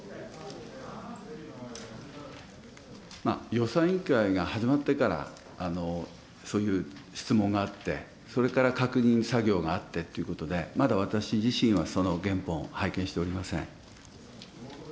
予算委員会が始まってから、そういう質問があって、それから確認作業があってということで、まだ私自身は、その原本、拝見しておりません。